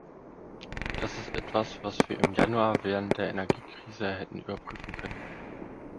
Das ist etwas, was wir im Januar während der Energiekrise hätten überprüfen können.